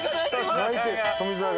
泣いてる富澤が。